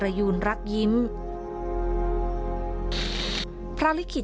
ระบุว่าเป็นมติที่๑๙๓ปี๒๕๔๒